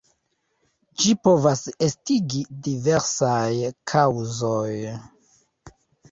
Ĝin povas estigi diversaj kaŭzoj.